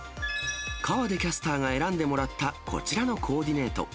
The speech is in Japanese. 河出キャスターが選んでもらったこちらのコーディネート。